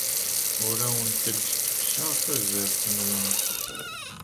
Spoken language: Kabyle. Ur awent-d-ttekkseɣ tazart-nwent.